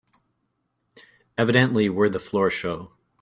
Evidently we're the floor show.